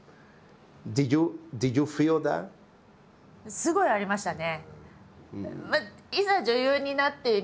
すごいありましたね。